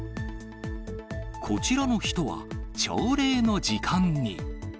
こちらの人は朝礼の時間に。